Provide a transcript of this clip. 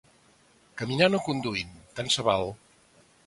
Caminant o conduint, tant se val.